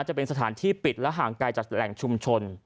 จะเป็นสถานที่ปิดและห่างไกลจากแหล่งชุมชน